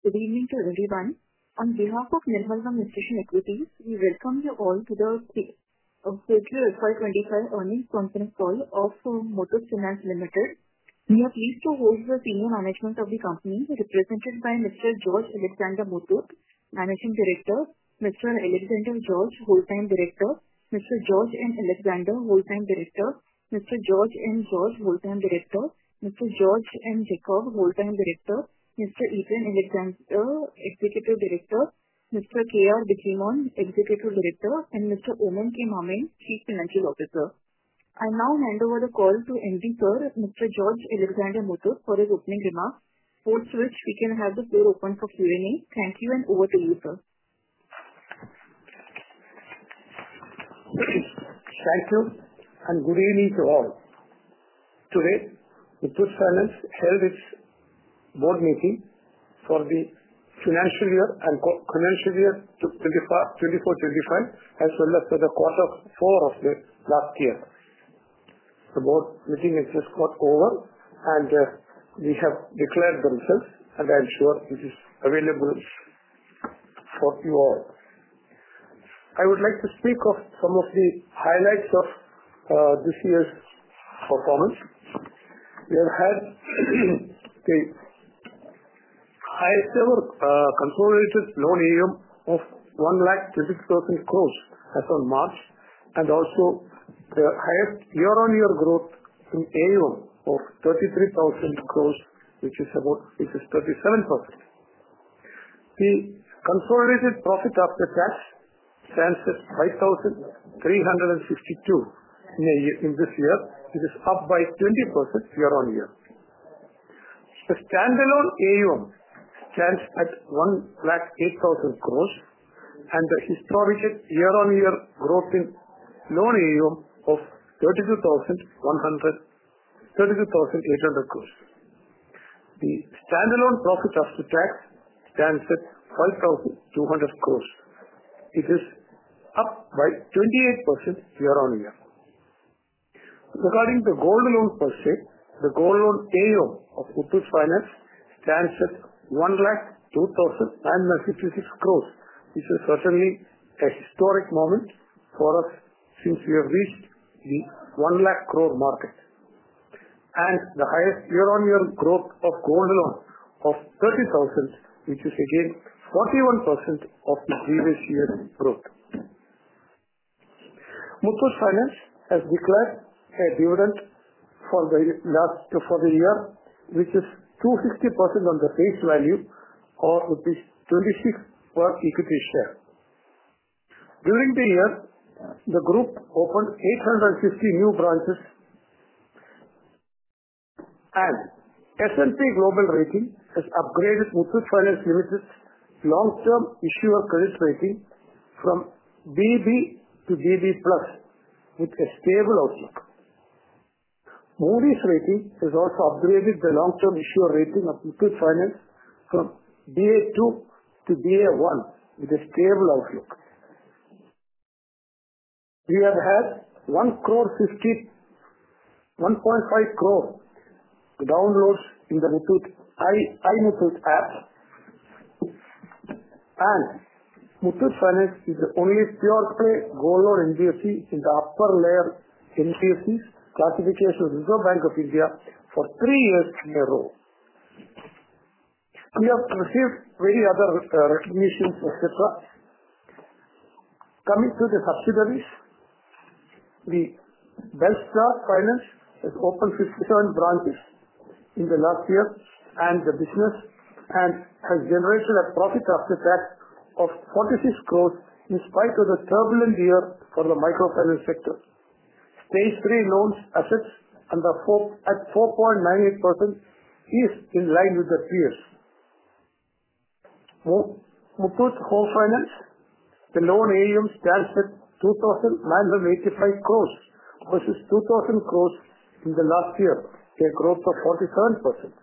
Good evening to everyone. On behalf of Nirmal Mammen, Michigan Equities, we welcome you all to the February 2025 earnings conference call of Muthoot Finance Limited. We are pleased to host the senior management of the company, represented by Mr. George Alexander Muthoot, Managing Director, Mr. Alexander George, Whole-time Director; Mr. George M. Alexander, Whole-time Director; Mr. George M. George, Whole-time Director; Mr. George M. Jacob, Whole-time Director, Mr. Ethan Alexander, Executive Director, Mr. K. R. Bijimon, Executive Director; and Mr. Oommen K. Mammen, Chief Financial Officer. I now hand over the call to MD, Sir Mr. George Alexander Muthoot, for his opening remarks, for which we can have the floor open for Q&A. Thank you, and over to you, Sir. Thank you, and good evening to all. Today, Muthoot Finance held its board meeting for the financial year and commercial year 2024-2025, as well as for the quarter four of the last year. The board meeting has just gone over, and we have declared themselves, and I'm sure it is available for you all. I would like to speak of some of the highlights of this year's performance. We have had the highest-ever consolidated non-AUM of 120,000 crore as of March, and also the highest year-on-year growth in AUM of INR 33,000 crore, which is about 37%. The consolidated profit after tax stands at 5,362 crore in this year. It is up by 20% year-on-year. The standalone AUM stands at 108,000 crore, and the historical year-on-year growth in non-AUM of 32,800 crore. The standalone profit after tax stands at 5,200 crore. It is up by 28% year-on-year. Regarding the gold loan per se, the gold loan AUM of Muthoot Finance stands at 1,02,956 crore, which is certainly a historic moment for us since we have reached the 1,00,000 crore mark, and the highest year-on-year growth of gold loan of 30,000 crore, which is again 41% of the previous year's growth. Muthoot Finance has declared a dividend for the year, which is 250% on the face value, or rupees 26 per equity share. During the year, the group opened 850 new branches, and S&P Global Rating has upgraded Muthoot Finance's long-term issuer credit rating from BB to BB plus, with a stable outlook. Moody's Rating has also upgraded the long-term issuer rating of Muthoot Finance from BA2 to BA1, with a stable outlook. We have had 1.5 crore downloads in the Muthoot iMuthoot app, and Muthoot Finance is the only pure-play gold loan NBFC in the upper-layer NBFC classification of the Reserve Bank of India for three years in a row. We have received many other recognitions, etc. Coming to the subsidiaries, the Belstar Finance has opened 57 branches in the last year and the business, and has generated a profit after tax of 460 million in spite of the turbulent year for the microfinance sector. Stage three loan assets at 4.98% is in line with their peers. Muthoot Home Finance, the loan AUM stands at 29.85 billion versus 20 billion in the last year, a growth of 47%.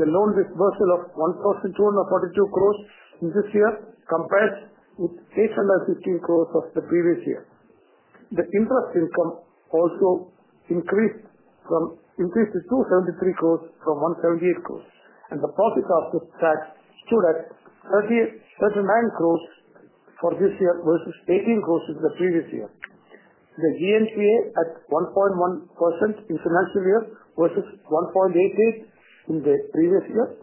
The loan disbursal of 12.42 billion in this year compares with 8.15 billion of the previous year. The interest income also increased to 273 crore from 178 crore, and the profit after tax stood at 39 crore for this year versus 18 crore in the previous year. The GNPA at 1.1% in financial year 2024 versus 1.88% in the previous year,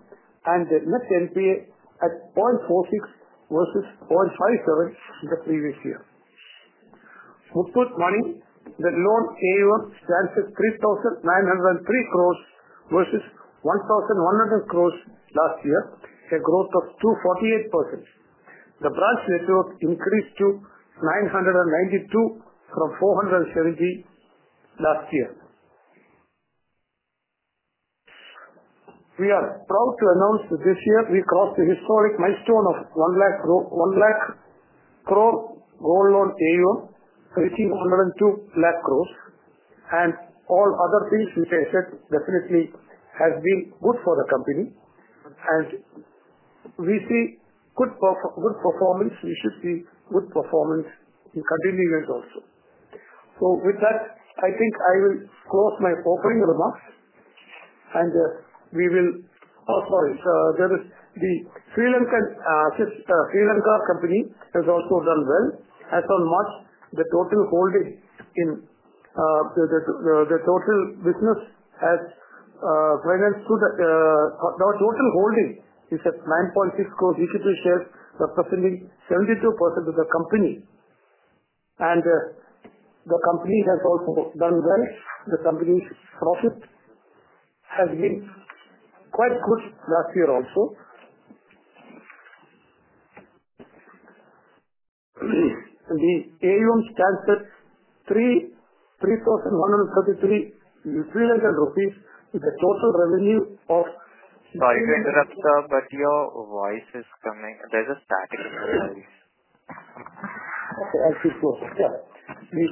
and the Net NPA at 0.46% versus 0.57% in the previous year. Muthoot Money, the loan AUM stands at 3,903 crore versus 1,100 crore last year, a growth of 248%. The branch net worth increased to 992 crore from 470 crore last year. We are proud to announce that this year we crossed the historic milestone of 1,000 crore gold loan AUM, reaching 102,000 crore, and all other things which I said definitely have been good for the company, and we see good performance. We should see good performance in continuing years also. With that, I think I will close my opening remarks, and we will—oh, sorry. The Sri Lanka company has also done well. As of March, the total holding in the total business has financed—the total holding is at 9.6 crore equity shares, representing 72% of the company, and the company has also done well. The company's profit has been quite good last year also. The AUM stands at LKR 3,133 million with a total revenue of. Sorry to interrupt, sir, but your voice is coming. There is a static in the voice. Okay, I'll keep closer. Yeah. The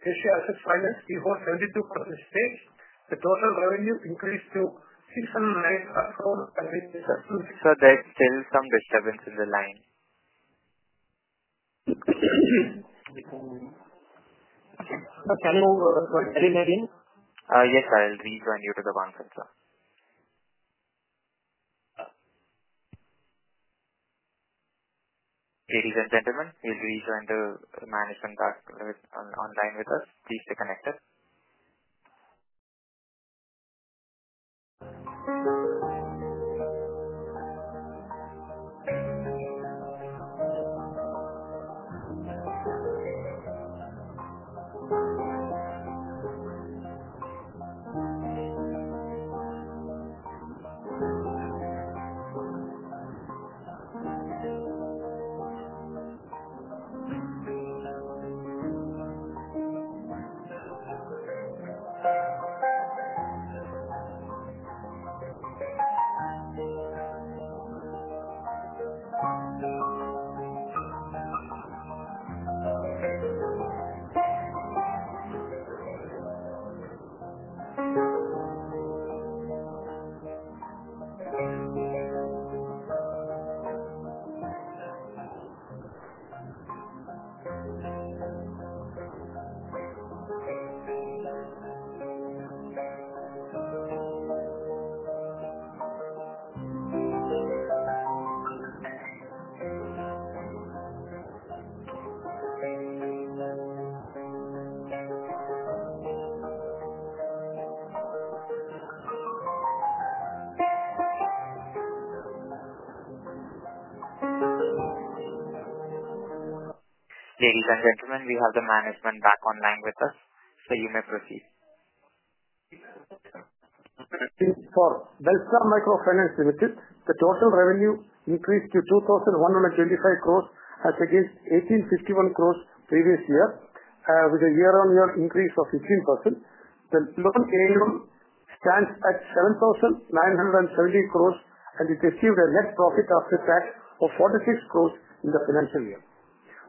Asia Asset Finance, before 72% stage, the total revenue increased to LKR 609,000. Sir, there's still some disturbance in the line. Hello. Can you hear me? Yes, I'll rejoin you to the one second. Ladies and gentlemen, we'll rejoin the management online with us. Please stay connected. Ladies and gentlemen, we have the management back online with us, so you may proceed. For Belstar Finance, the total revenue increased to 2,125 crore against 1,851 crore previous year, with a year-on-year increase of 15%. The loan AUM stands at 7,970 crore, and it achieved a net profit after tax of 46 crore in the financial year.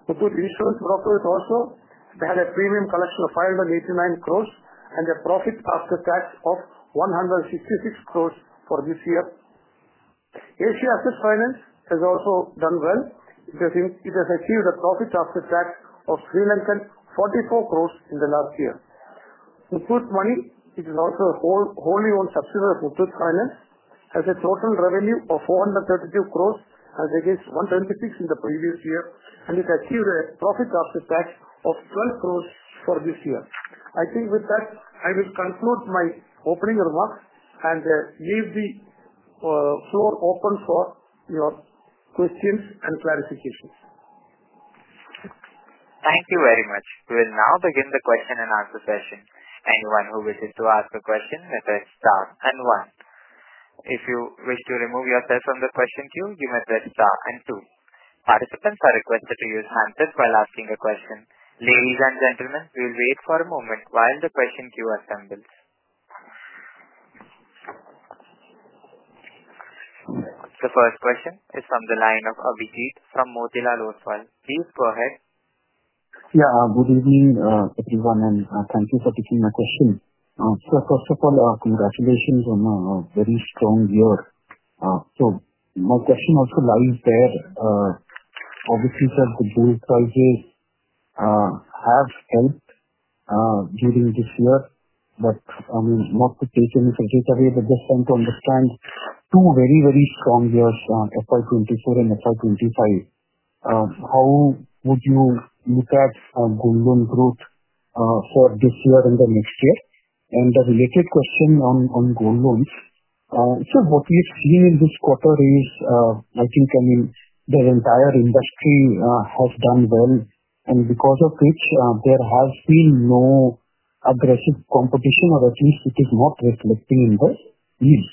Muthoot Insurance Brokers also had a premium collection of 589 crore and a profit after tax of 166 crore for this year. Asia Asset Finance has also done well. It has achieved a profit after tax of LKR 44 crore in the last year. Muthoot Money, which is also a wholly-owned subsidiary of Muthoot Finance, has a total revenue of 432 crore as against 176 crore in the previous year, and it achieved a profit after tax of 12 crore for this year. I think with that, I will conclude my opening remarks and leave the floor open for your questions and clarifications. Thank you very much. We will now begin the question-and-answer session. Anyone who wishes to ask a question may press star and one. If you wish to remove yourself from the question queue, you may press star and two. Participants are requested to use hands while asking a question. Ladies and gentlemen, we'll wait for a moment while the question queue assembles. The first question is from the line of Abhijeet from Motilal Oswal. Please go ahead. Yeah, good evening, everyone, and thank you for taking my question. First of all, congratulations on a very strong year. My question also lies there. Obviously, the gold prices have helped during this year, but I mean, not to take any credit away, just trying to understand two very, very strong years, FY 2024 and FY 2025. How would you look at gold loan growth for this year and the next year? The related question on gold loans, what we have seen in this quarter is, I think, I mean, the entire industry has done well, and because of which there has been no aggressive competition, or at least it is not reflecting in the news.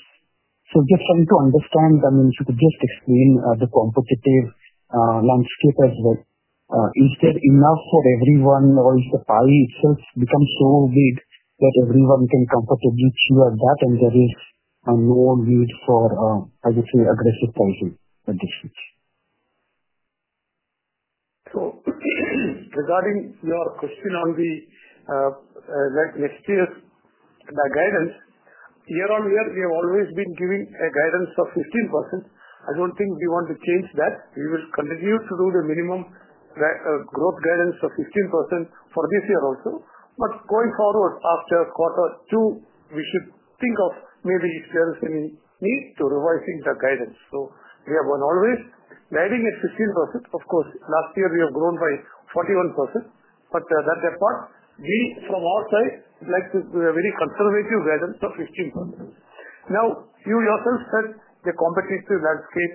Just trying to understand, if you could just explain the competitive landscape as well. Is there enough for everyone, or has the pie itself become so big that everyone can comfortably chew at that, and there is no need for, I would say, aggressive pricing at this stage? Regarding your question on the next year's guidance, year-on-year, we have always been giving a guidance of 15%. I don't think we want to change that. We will continue to do the minimum growth guidance of 15% for this year also, but going forward after quarter two, we should think of maybe if there is any need to revising the guidance. We have always guiding at 15%. Of course, last year we have grown by 41%, but that apart, we from our side would like to do a very conservative guidance of 15%. Now, you yourself said the competitive landscape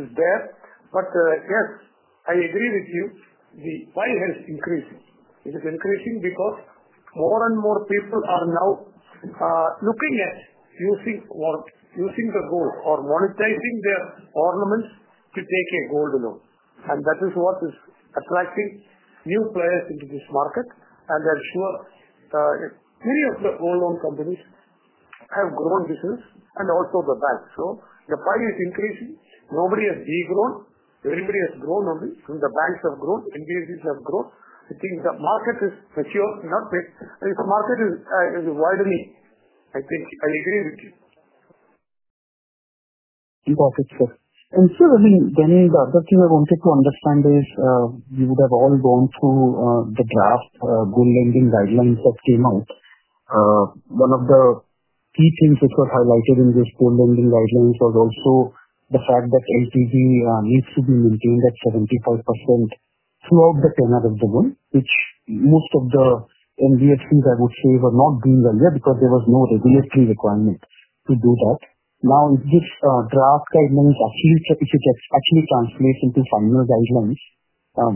is there, but yes, I agree with you. The pie has increased. It is increasing because more and more people are now looking at using the gold or monetizing their ornaments to take a gold loan, and that is what is attracting new players into this market. I am sure many of the gold loan companies have grown business and also the banks. The pie is increasing. Nobody has degrown. Everybody has grown only, and the banks have grown. NBFCs have grown. I think the market is mature, not mature. This market is widening, I think. I agree with you. Okay, sir. Sir, I mean, the other thing I wanted to understand is we would have all gone through the draft gold lending guidelines that came out. One of the key things which was highlighted in this gold lending guidelines was also the fact that LTV needs to be maintained at 75% throughout the tenure of the gold, which most of the NBFCs, I would say, were not doing well yet because there was no regulatory requirement to do that. Now, if this draft guidelines actually gets translated into final guidelines,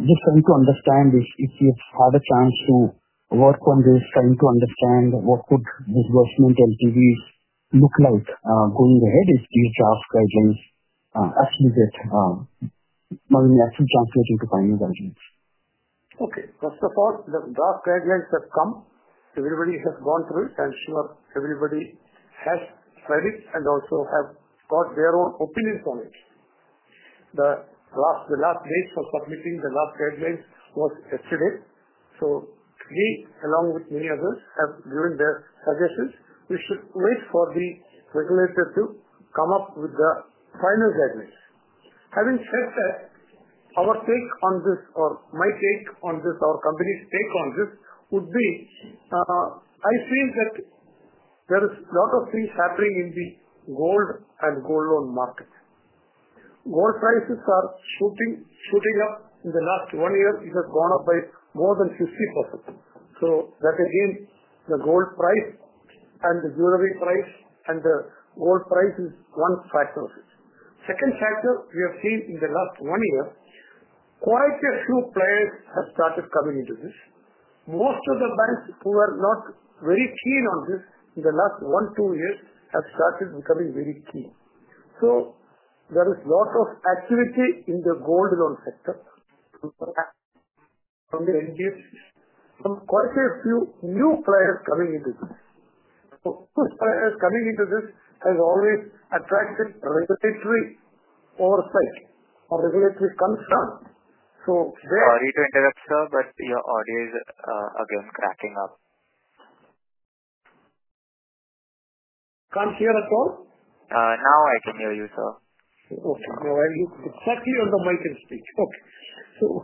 just trying to understand if you've had a chance to work on this, trying to understand what would disbursement LTVs look like going ahead if these draft guidelines actually get translated into final guidelines. Okay. First of all, the draft guidelines have come. Everybody has gone through it, and sure, everybody has read it and also have got their own opinions on it. The last date for submitting the draft guidelines was yesterday. So we, along with many others, have given their suggestions. We should wait for the regulator to come up with the final guidelines. Having said that, our take on this, or my take on this, our company's take on this would be, I feel that there is a lot of things happening in the gold and gold loan market. Gold prices are shooting up. In the last one year, it has gone up by more than 50%. So that again, the gold price and the jewelry price and the gold price is one factor of it. Second factor we have seen in the last one year, quite a few players have started coming into this. Most of the banks who were not very keen on this in the last one, two years have started becoming very keen. There is a lot of activity in the gold loan sector from the NBFCs, from quite a few new players coming into this. Those players coming into this has always attracted regulatory oversight or regulatory concern. Sorry to interrupt, sir, but your audio is again cracking up. Can't hear at all. Now I can hear you, sir. Okay. Now I'm exactly on the mic and speak. Okay.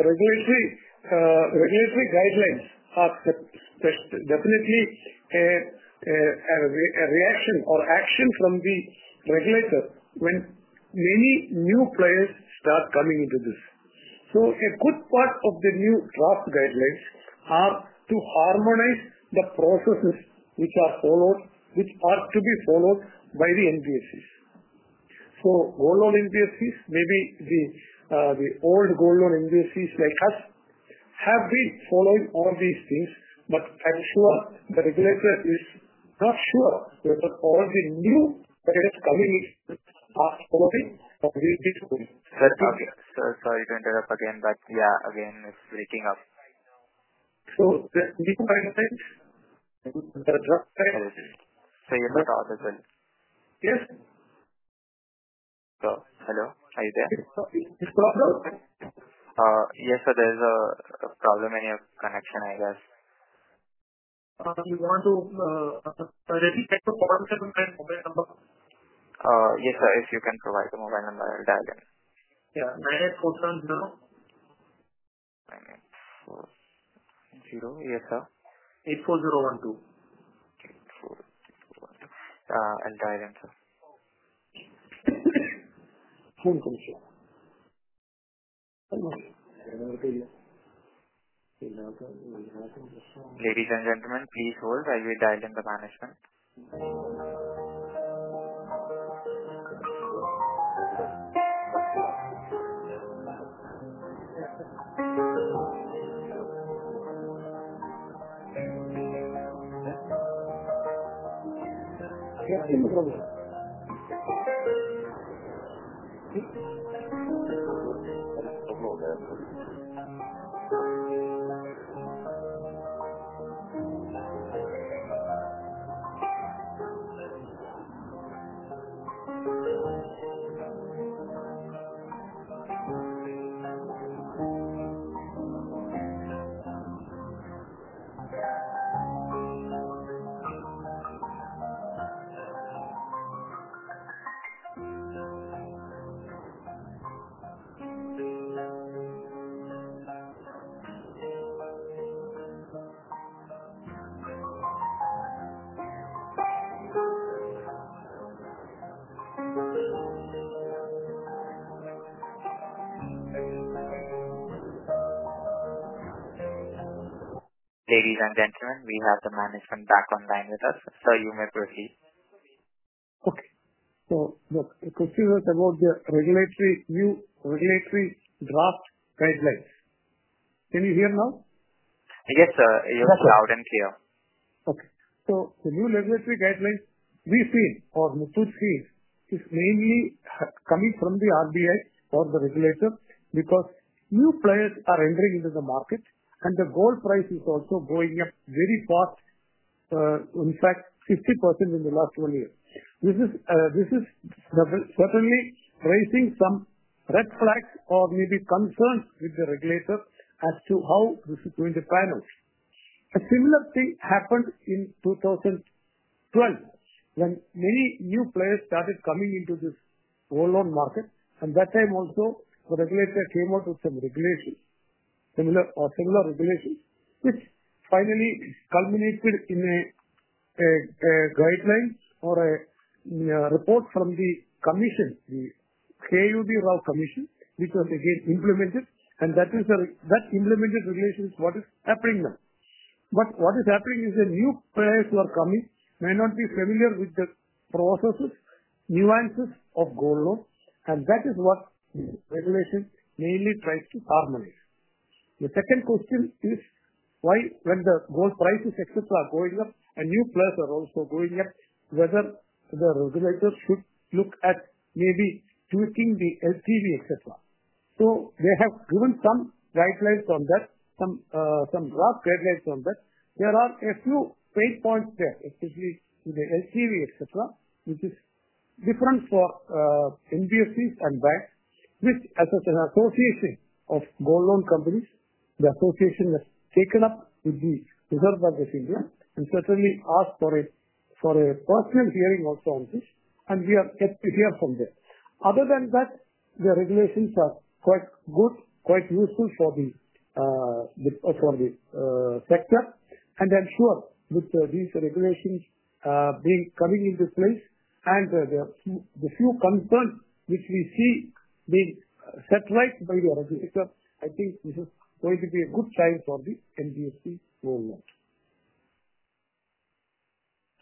The regulatory guidelines are definitely a reaction or action from the regulator when many new players start coming into this. A good part of the new draft guidelines are to harmonize the processes which are followed, which are to be followed by the NBFCs. Gold loan NBFCs, maybe the old gold loan NBFCs like us have been following all these things, but I'm sure the regulator is not sure whether all the new players coming in are following or will be following. Sorry to interrupt again, but yeah, again, it's leaking up. The new guidelines, the draft guidelines. Oh, so you're not audible. Yes. Hello? Are you there? Is it a problem? Yes, sir. There is a problem in your connection, I guess. You want to repeat the phone number and mobile number? Yes, sir. If you can provide the mobile number, I'll dial in. Yeah. 98470. 98470. Yes, sir. 84012. 84012. I'll dial in, sir. Ladies and gentlemen, please hold while we dial in the management. Ladies and gentlemen, we have the management back online with us. Sir, you may proceed. Okay. So the question was about the new regulatory draft guidelines. Can you hear now? Yes, sir. You're loud and clear. Okay. The new regulatory guidelines we've seen or Muthoot sees is mainly coming from the RBI or the regulator because new players are entering into the market, and the gold price is also going up very fast, in fact, 50% in the last one year. This is certainly raising some red flags or maybe concerns with the regulator as to how this is going to pan out. A similar thing happened in 2012 when many new players started coming into this gold loan market, and that time also the regulator came out with some regulations, similar or similar regulations, which finally culminated in a guideline or a report from the commission, the KUD Rao Commission, which was again implemented, and that implemented regulation is what is happening now. What is happening is the new players who are coming may not be familiar with the processes, nuances of gold loan, and that is what the regulation mainly tries to harmonize. The second question is why when the gold prices, etc., are going up and new players are also going up, whether the regulator should look at maybe tweaking the LTV, etc. They have given some guidelines on that, some draft guidelines on that. There are a few pain points there, especially with the LTV, etc., which is different for NBFCs and banks, which as an association of gold loan companies, the association has taken up with the Reserve Bank of India and certainly asked for a personal hearing also on this, and we are yet to hear from them. Other than that, the regulations are quite good, quite useful for the sector, and I'm sure with these regulations coming into place and the few concerns which we see being set right by the regulator, I think this is going to be a good time for the NBFC gold loan.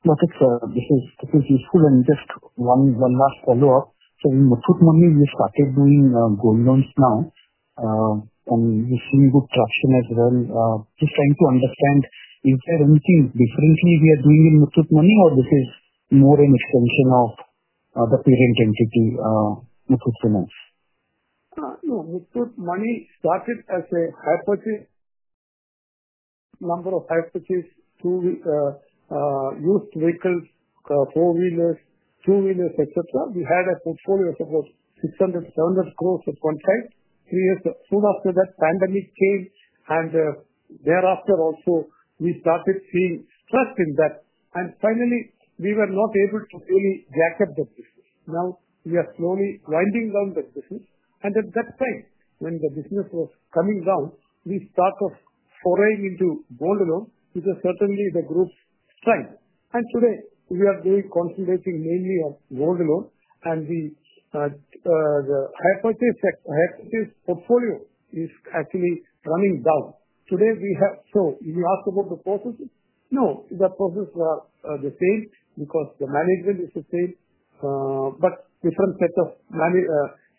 Okay, sir. This is useful. Just one last follow-up. In Muthoot Money, we started doing gold loans now, and we've seen good traction as well. Just trying to understand, is there anything differently we are doing in Muthoot Money, or is this more an extension of the parent entity, Muthoot Finance? No, Muthoot Money started as a hypothesis, a number of hypotheses, used vehicles, four-wheelers, two-wheelers, etc. We had a portfolio of about 600 crore-700 crore at one time. Three years soon after that, the pandemic came, and thereafter also we started seeing stress in that, and finally we were not able to really jack up the business. Now we are slowly winding down the business, and at that time when the business was coming down, we started foraying into gold loan, which was certainly the group's strength. Today we are concentrating mainly on gold loan, and the hypothesis portfolio is actually running down. Today we have, so if you ask about the processes, no, the processes are the same because the management is the same, but different set of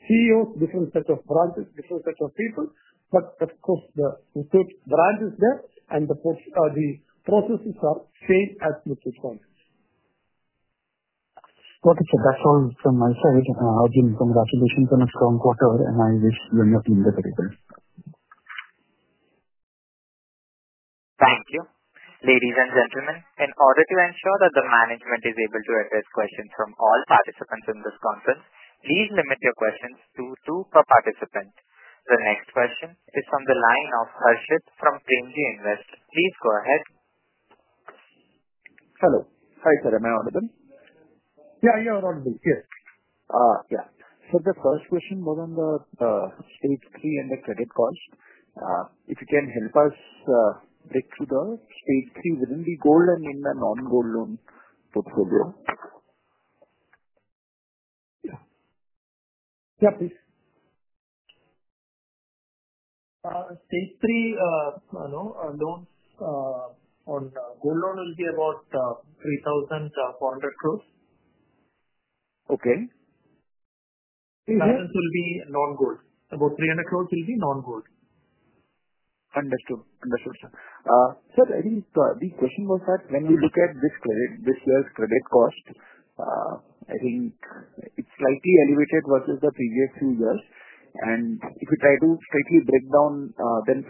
CEOs, different set of branches, different set of people, but of course the Muthoot branch is there, and the processes are the same as Muthoot branch. Okay, sir. That's all from my side. Again, congratulations on a strong quarter, and I wish you an uplifting result. Thank you. Ladies and gentlemen, in order to ensure that the management is able to address questions from all participants in this conference, please limit your questions to two per participant. The next question is from the line of Hership from Premji Invest. Please go ahead. Hello. Hi, sir. Am I audible? Yeah, you're audible. Yes. Yeah. The first question was on the stage three and the credit cost. If you can help us break through the stage three within the gold and in the non-gold loan portfolio. Yeah, please. Stage three loans on gold loan will be about 3,400 crore. Okay. License will be non-gold. About 300 crore will be non-gold. Understood, sir. Sir, I think the question was that when we look at this credit, this year's credit cost, I think it's slightly elevated versus the previous few years, and if you try to strictly break down, then 50%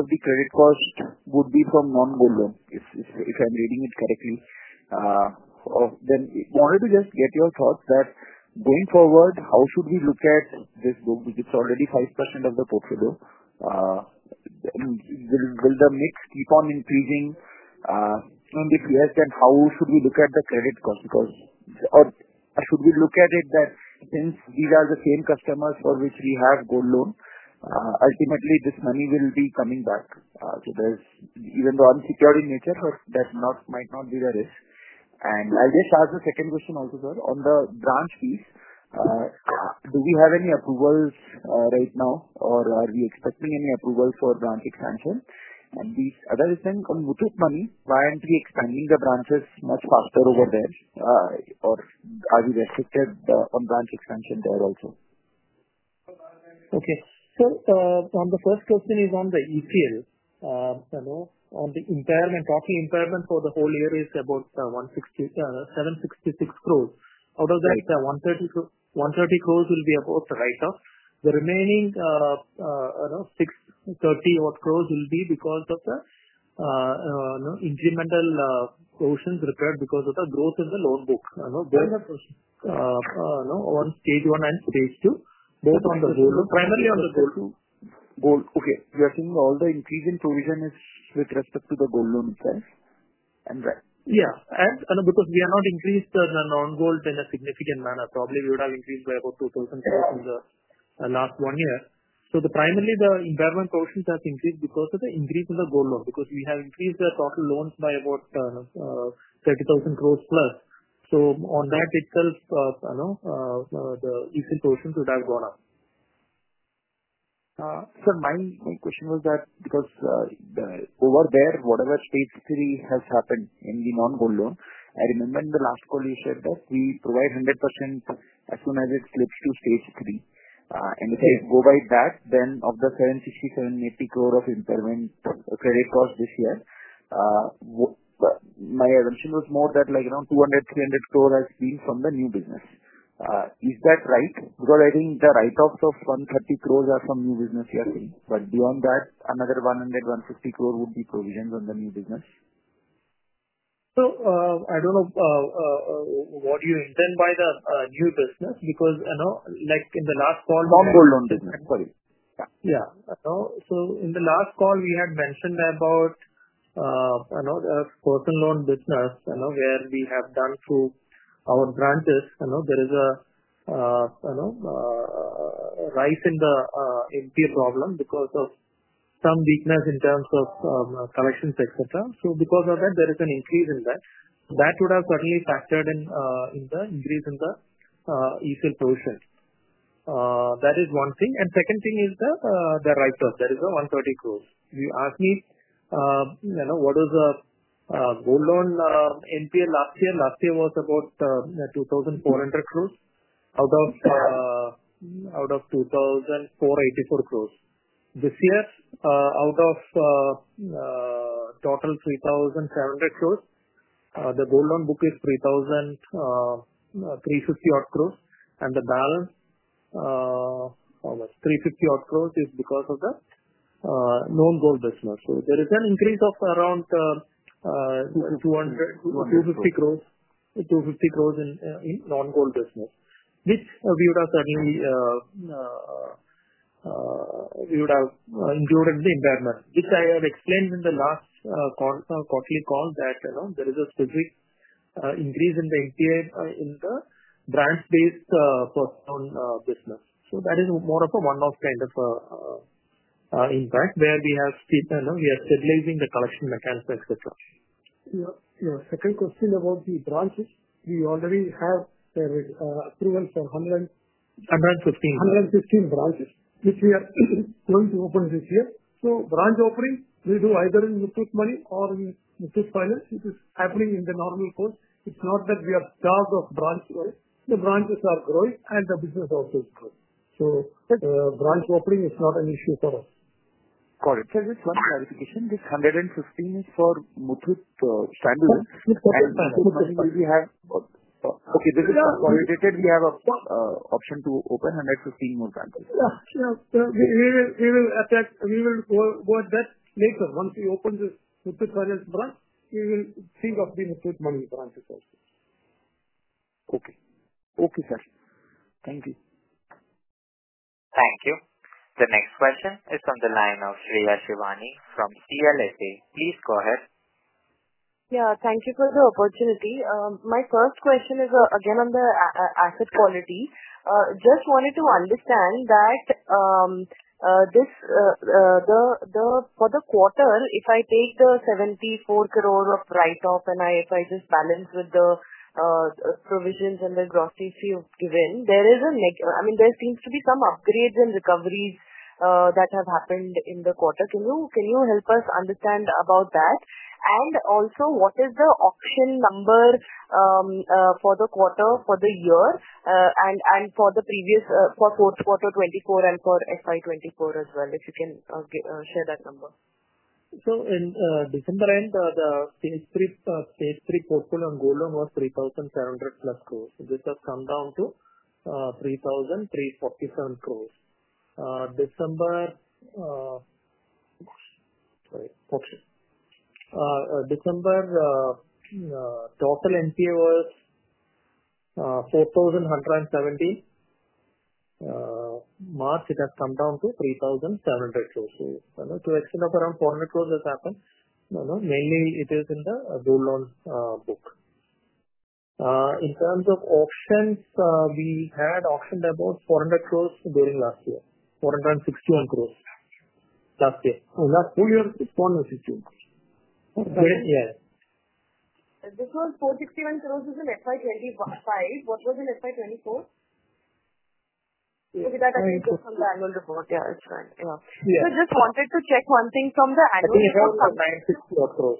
of the credit cost would be from non-gold loan, if I'm reading it correctly. Then I wanted to just get your thoughts that going forward, how should we look at this? It's already 5% of the portfolio. Will the mix keep on increasing? If yes, then how should we look at the credit cost? Should we look at it that since these are the same customers for which we have gold loan, ultimately this money will be coming back? There's even though unsecured in nature, but that might not be the risk. I just asked the second question also, sir, on the branch piece. Do we have any approvals right now, or are we expecting any approvals for branch expansion? The other thing, on Muthoot Money, why aren't we expanding the branches much faster over there, or are we restricted on branch expansion there also? Okay. On the first question is on the ECL. On the impairment, total impairment for the whole year is about 766 crore. Out of that, 130 crore will be about the write-off. The remaining 630 crore will be because of the incremental provisions required because of the growth in the loan book. On stage one and stage two, both on the gold loan, primarily on the gold loan. Okay. You are saying all the increase in provision is with respect to the gold loan itself? Yeah. Because we have not increased the non-gold in a significant manner. Probably we would have increased by about 2,000 crore in the last one year. Primarily the impairment portions have increased because of the increase in the gold loan, because we have increased the total loans by about 30,000+ crore. On that itself, the ECL portions would have gone up. Sir, my question was that because over there, whatever stage three has happened in the non-gold loan, I remember in the last call you said that we provide 100% as soon as it slips to stage three. If they go by that, then of the 767 crore-780 crore of impairment credit cost this year, my assumption was more that like around 200-300 crore has been from the new business. Is that right? I think the write-offs of 130 crore are from new business, you are saying. Beyond that, another 100 crore-150 crore would be provisions on the new business. I don't know what you intend by the new business, because in the last call. Non-gold loan business. Sorry. Yeah. In the last call, we had mentioned about the personal loan business, where we have done through our branches. There is a rise in the NPA problem because of some weakness in terms of collections, etc. Because of that, there is an increase in that. That would have certainly factored in the increase in the ECL portion. That is one thing. Second thing is the write-off. There is 130 crore. You asked me what was the gold loan NPA last year. Last year was about 2,400 crore out of 2,484 crore. This year, out of total 3,700 crore, the gold loan book is 3,350-odd crore, and the balance of 350-odd crore is because of the non-gold business. There is an increase of around 250 crore in non-gold business, which we would have certainly included in the impairment, which I have explained in the last quarterly call that there is a specific increase in the NPA in the branch-based personal business. That is more of a one-off kind of impact where we are stabilizing the collection mechanism, etc. Your second question about the branches, we already have approval for 115. 115 branches, which we are going to open this year. Branch opening, we do either in Muthoot Money or in Muthoot Finance. It is happening in the normal course. It's not that we are starved of branches. The branches are growing, and the business also is growing. Branch opening is not an issue for us. Got it. Sir, just one clarification. This 115 is for Muthoot Finance. Muthoot Finance. Okay. This is for correlated. We have an option to open 115 more branches. Yeah. Yeah. We will go at that later. Once we open the Muthoot Finance branch, we will think of the Muthoot Money branches also. Okay, sir. Thank you. Thank you. The next question is from the line of Shreya Shivani from CLSA. Please go ahead. Yeah. Thank you for the opportunity. My first question is again on the asset quality. Just wanted to understand that for the quarter, if I take the 74 crore of write-off and if I just balance with the provisions and the gross fee given, there is a—I mean, there seems to be some upgrades and recoveries that have happened in the quarter. Can you help us understand about that? Also, what is the auction number for the quarter, for the year, and for the previous fourth quarter 2024 and for FY 2024 as well, if you can share that number? In December end, the stage three portfolio on gold loan was 3,700 crore plus. This has come down to 3,347 crore. December total NPA was 4,117 crore. March, it has come down to 3,700 crore. To the extent of around 400 crore has happened. Mainly, it is in the gold loan book. In terms of auctions, we had auctioned about 400 crore during last year, 461 crore last year. Last full year, it's 461 crore. Yeah. This was 461 crore in FY 2025. What was it in FY 2024? So that I can check from the annual report. Yeah, it's fine. Yeah. Just wanted to check one thing from the annual report. 960 crore.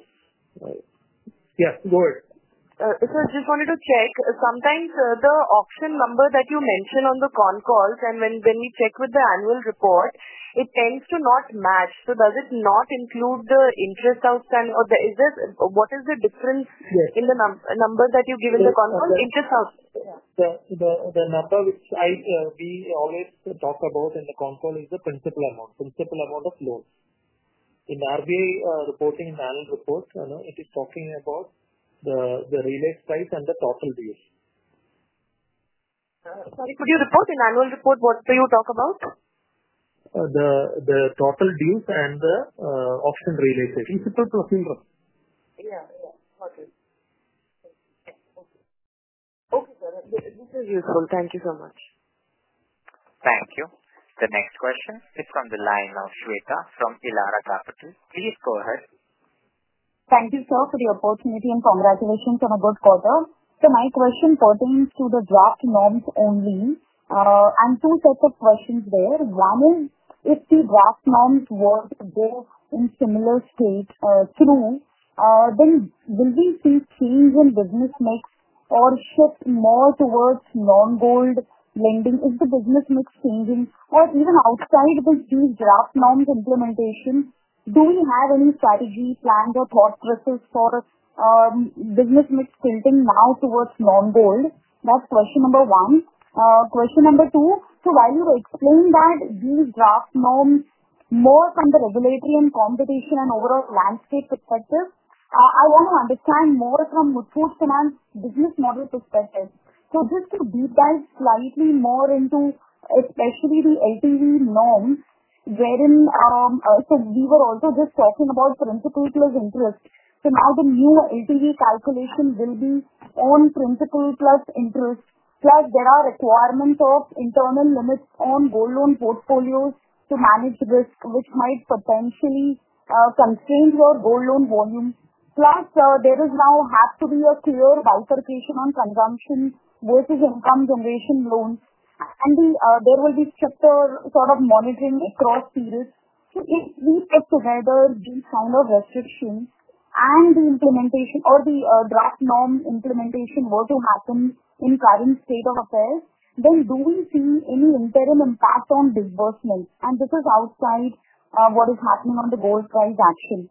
Yes. Go ahead. Sir, just wanted to check. Sometimes the auction number that you mentioned on the con calls, and when we check with the annual report, it tends to not match. Does it not include the interest outstanding? What is the difference in the number that you give in the con call? Interest outstanding. The number which we always talk about in the con call is the principal amount, principal amount of loan. In the RBI reporting, in the annual report, it is talking about the release price and the total dues. Sorry, could you repeat? In the annual report, what do you talk about? The total dues and the auction releases. Principal plus interest. Yeah. Okay. Okay, sir. This is useful. Thank you so much. Thank you. The next question is from the line of Shweta from Elara Capital. Please go ahead. Thank you, sir, for the opportunity and congratulations on a good quarter. My question pertains to the draft norms only. I am two sets of questions there. One is, if the draft norms were to go in similar state through, then will we see change in business mix or shift more towards non-gold lending? Is the business mix changing? Or even outside of these draft norms implementation, do we have any strategy plans or thought process for business mix tilting now towards non-gold? That is question number one. Question number two, while you explain that these draft norms more from the regulatory and competition and overall landscape perspective, I want to understand more from Muthoot Finance business model perspective. Just to deep dive slightly more into, especially the LTV norms, wherein we were also just talking about principal plus interest. Now the new LTV calculation will be on principal plus interest, plus there are requirements of internal limits on gold loan portfolios to manage risk, which might potentially constrain your gold loan volume. Plus, there is now have to be a clear bifurcation on consumption versus income generation loans. There will be stricter sort of monitoring across periods. If we put together these kind of restrictions and the implementation or the draft norm implementation were to happen in current state of affairs, do we see any interim impact on disbursement? This is outside what is happening on the gold price action.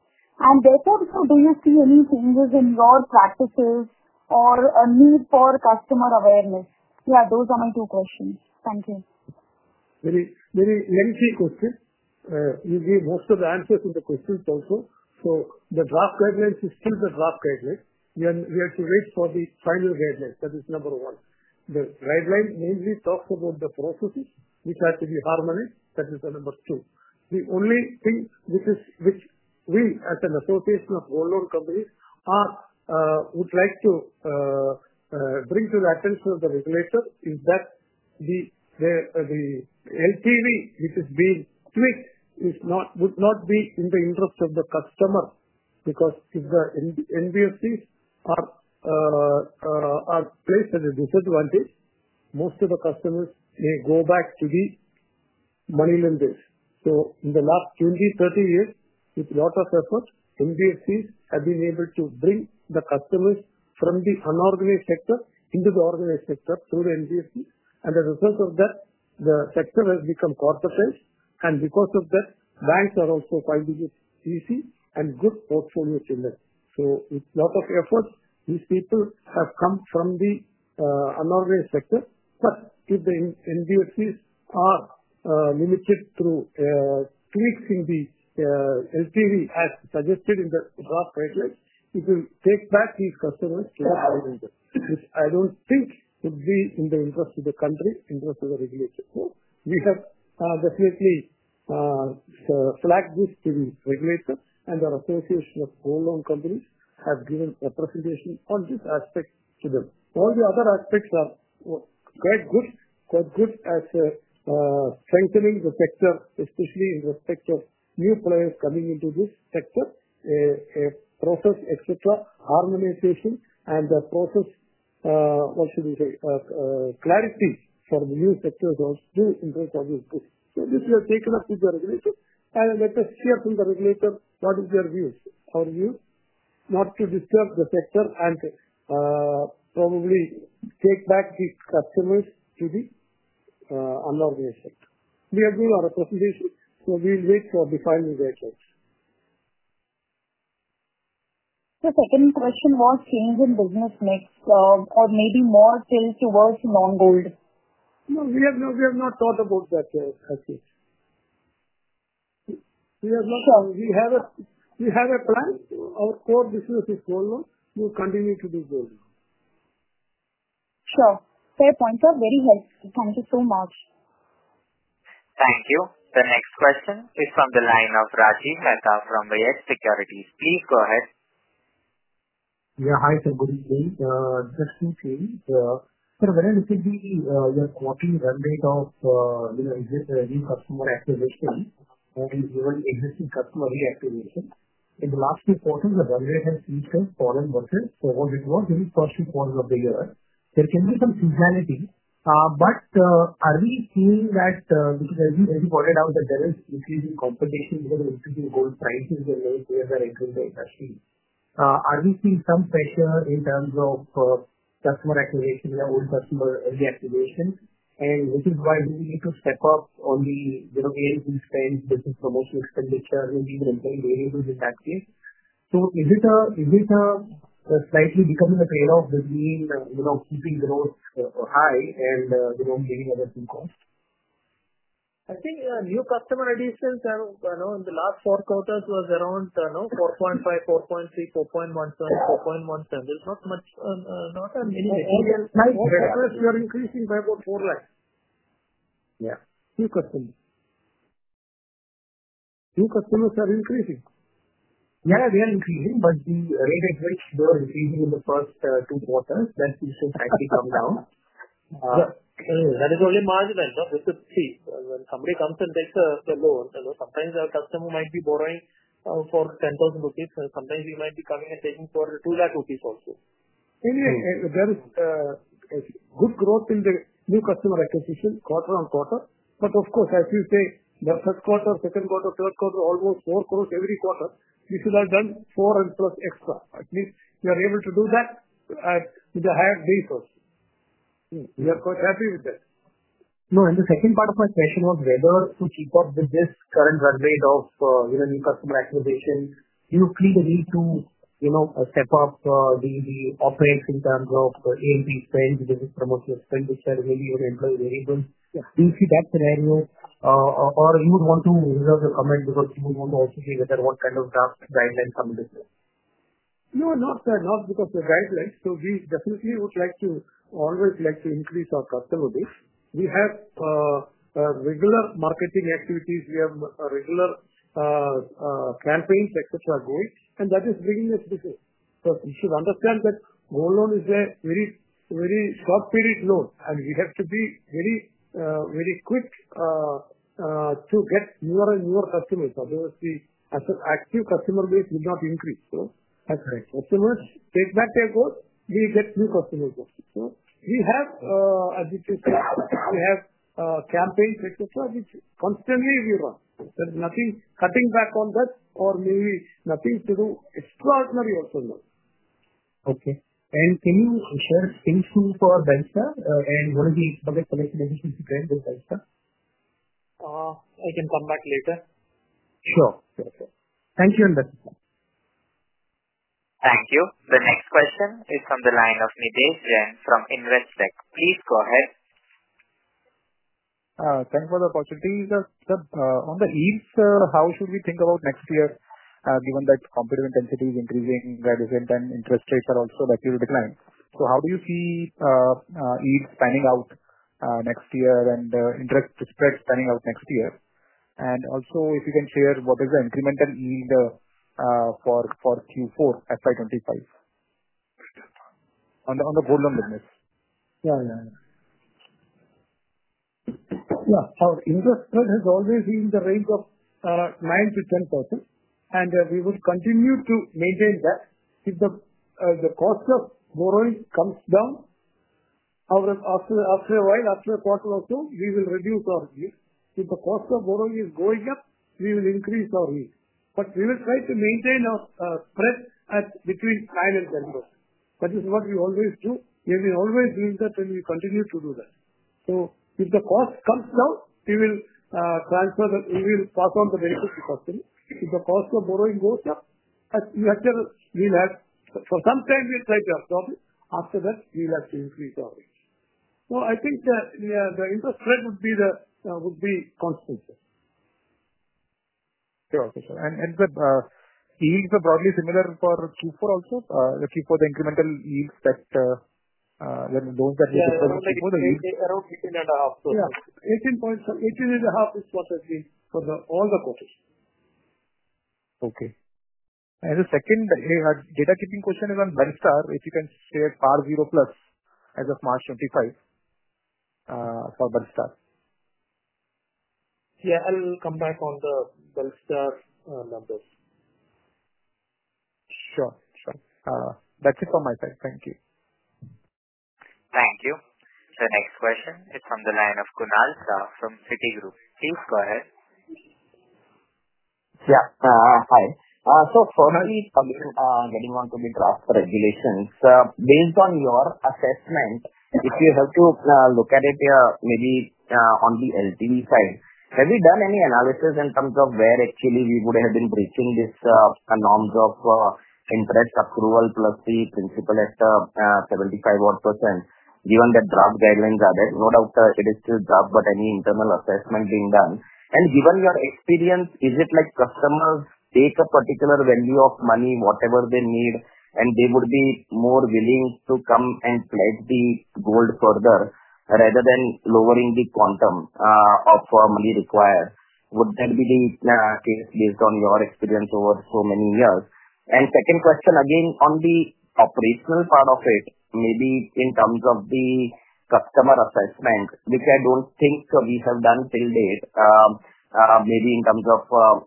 Therefore, do you see any changes in your practices or need for customer awareness? Yeah, those are my two questions. Thank you. Very lengthy question. You gave most of the answers in the questions also. The draft guidelines is still the draft guidelines. We have to wait for the final guidelines. That is number one. The guideline mainly talks about the processes, which have to be harmonious. That is the number two. The only thing which we, as an association of gold loan companies, would like to bring to the attention of the regulator is that the LTV, which is being tweaked, would not be in the interest of the customer. Because if the NBFCs are placed at a disadvantage, most of the customers may go back to the money lenders. In the last 20-30 years, with a lot of effort, NBFCs have been able to bring the customers from the unorganized sector into the organized sector through the NBFC. As a result of that, the sector has become corporatized. Because of that, banks are also finding it easy and good portfolios to lend. With a lot of effort, these people have come from the unorganized sector. If the NBFCs are limited through tweaks in the LTV, as suggested in the draft guidelines, it will take back these customers to the money lenders, which I do not think would be in the interest of the country, interest of the regulator. We have definitely flagged this to the regulator, and the association of gold loan companies has given representation on this aspect to them. All the other aspects are quite good, quite good as strengthening the sector, especially in respect of new players coming into this sector, process, etc., harmonization, and the process, what should we say, clarity for the new sectors also in terms of these books. This will take it up to the regulator, and let us hear from the regulator what is their views, our views, not to disturb the sector and probably take back these customers to the unorganized sector. We have given our representation, so we'll wait for the final guidelines. The second question was change in business mix or maybe more tilt towards non-gold. No, we have not thought about that yet. We have a plan. Our core business is gold loan. We will continue to do gold loan. Sure. Your points are very helpful. Thank you so much. Thank you. The next question is from the line of Rajiv Mehta from Riyadh Securities. Please go ahead. Yeah. Hi, sir. Good evening. Just two things. Sir, when I look at your quarterly run rate of new customer acquisition and your existing customer reactivation, in the last few quarters, the run rate has seemed to have fallen versus what it was in the first few quarters of the year. There can be some seasonality, but are we seeing that because as you pointed out, that there is increasing competition because of increasing gold prices and new players are entering the industry, are we seeing some pressure in terms of customer activation or old customer reactivation? This is why we need to step up on the ANC spend, business promotion expenditure, and even employee variables in that case. Is it slightly becoming a trade-off between keeping growth high and bringing other things on? I think new customer additions in the last four quarters was around 4.5, 4.3, 4.17. There's not many. you're increasing by about four lines. Yeah. New customers are increasing. Yeah, they are increasing, but the rate at which they were increasing in the first two quarters, that seems to have slightly come down. That is only marginal. This is seen. When somebody comes and takes a loan, sometimes our customer might be borrowing for 10,000 rupees, and sometimes we might be coming and taking for 2,000,000 rupees also. Anyway, there is good growth in the new customer acquisition quarter on quarter. Of course, as you say, the third quarter, second quarter, third quarter, almost 40 million every quarter, this should have done 40 million and plus extra. At least we are able to do that with a higher base also. We are quite happy with that. No, and the second part of my question was whether to keep up with this current run rate of new customer acquisition, you feel the need to step up the operates in terms of ANC spend, business promotion spend, which are mainly your employee variables. Do you see that scenario? Or you would want to reserve your comment because you would want to also see whether what kind of draft guidelines come into play. No, not because of the guidelines. We definitely would like to always like to increase our customer base. We have regular marketing activities. We have regular campaigns, etc., going. That is bringing us business. You should understand that gold loan is a very short period loan, and we have to be very quick to get newer and newer customers. Otherwise, the active customer base would not increase. As customers take back their gold, we get new customers also. As it is, we have campaigns, etc., which constantly we run. There is nothing cutting back on that or maybe nothing to do extraordinary also now. Okay. Can you share things too for Belstar? What is the expected collection efficiency trend with Belstar? I can come back later. Sure. Thank you, and Belstar. Thank you. The next question is from the line of Nidhesh Jain from Investec. Please go ahead. Thanks for the opportunity. Sir, on the yields, how should we think about next year given that competitive intensity is increasing, reducing, and interest rates are also likely to decline? How do you see yields panning out next year and interest spreads panning out next year? Also, if you can share what is the incremental yield for Q4 FY 2025 on the gold loan business? Yeah. Our interest spread has always been in the range of 9%-10%, and we will continue to maintain that. If the cost of borrowing comes down, after a while, after a quarter or so, we will reduce our yield. If the cost of borrowing is going up, we will increase our yield. We will try to maintain our spread between 9%-10%. That is what we always do. We will always do that, and we continue to do that. If the cost comes down, we will pass on the benefit to customers. If the cost of borrowing goes up, for some time, we'll try to absorb it. After that, we'll have to increase our yield. I think the interest spread would be constant. Okay, sir. And sir, yields are broadly similar for Q4 also. The Q4, the incremental yields that loans that we proposed before the yields. Around 18.5%. Yeah. 18.5% is what I've seen for all the quarters. Okay. The second data keeping question is on Belstar. If you can share PAR0 plus as of March 2025 for Belstar. Yeah. I'll come back on the Belstar numbers. Sure. Sure. That's it from my side. Thank you. Thank you. The next question is from the line of Kunal Shah from Citigroup. Please go ahead. Yeah. Hi. Firstly, getting onto the draft regulations, based on your assessment, if you have to look at it maybe on the LTV side, have you done any analysis in terms of where actually we would have been breaching these norms of interest approval plus the principal at 75-odd percent, given that draft guidelines are there? No doubt it is still draft, but any internal assessment being done? Given your experience, is it like customers take a particular value of money, whatever they need, and they would be more willing to come and pledge the gold further rather than lowering the quantum of money required? Would that be the case based on your experience over so many years? Second question, again, on the operational part of it, maybe in terms of the customer assessment, which I do not think we have done till date, maybe in terms of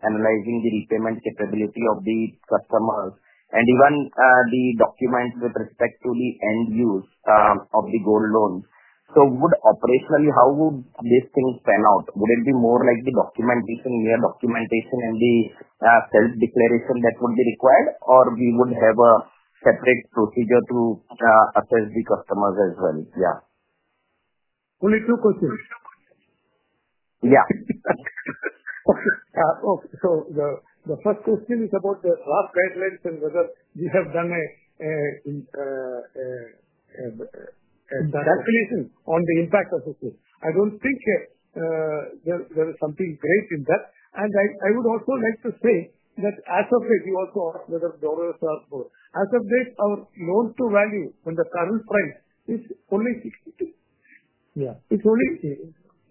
analyzing the repayment capability of the customers and even the documents with respect to the end use of the gold loans. Operationally, how would these things pan out? Would it be more like the documentation, mere documentation, and the self-declaration that would be required, or we would have a separate procedure to assess the customers as well? Yeah. Only two questions. Yeah. Okay. The first question is about the draft guidelines and whether we have done a calculation on the impact of this. I do not think there is something great in that. I would also like to say that as of late, you also asked whether borrowers are borrowing. As of late, our loan-to-value from the current price is only 62%. It is only